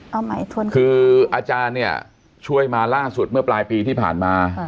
เอาหมายทนคืออาจารย์เนี่ยช่วยมาล่าสุดเมื่อปลายปีที่ผ่านมา